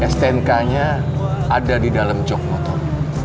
stnk nya ada di dalam jog motor